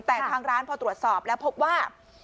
แต่ทางร้านพอตรวจสอบแล้วพบว่า